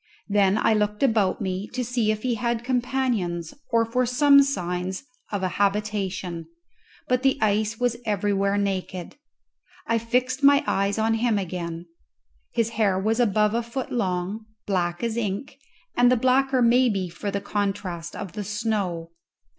Then I looked about me to see if he had companions or for some signs of a habitation, but the ice was everywhere naked. I fixed my eyes on him again. His hair was above a foot long, black as ink, and the blacker maybe for the contrast of the snow.